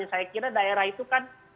saya kira daerah itu kan